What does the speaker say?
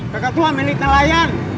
kakak tua milik nelayan